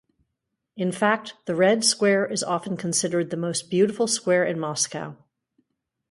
In fact, the Red Square is often considered the most beautiful square in Moscow.